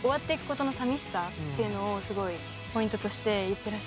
っていうのをすごいポイントとして言ってらして。